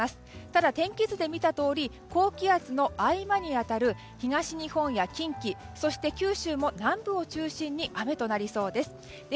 ただ天気図で見たとおり高気圧の合間に当たる東日本や近畿そして九州も南部を中心に雨となりそうです。